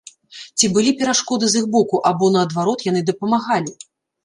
Ці былі перашкоды з іх боку або, наадварот, яны дапамагалі?